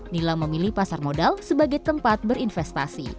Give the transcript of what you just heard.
nila memilih pasar modal sebagai tempat berinvestasi